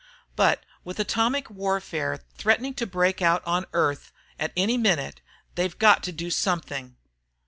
But with atomic warfare threatening to break out on Earth at any minute, they have got to do something.